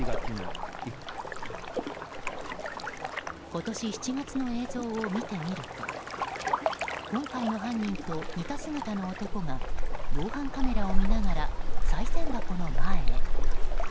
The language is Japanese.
今年７月の映像を見てみると今回の犯人と似た姿の男が防犯カメラを見ながらさい銭箱の前へ。